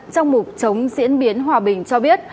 trong mục chống diễn biến hòa bình cho biết